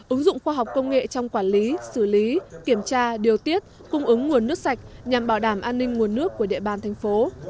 ứng dụng khoa học công nghệ trong quản lý xử lý kiểm tra điều tiết cung ứng nguồn nước sạch nhằm bảo đảm an ninh nguồn nước của địa bàn thành phố